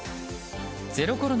ゼロコロナ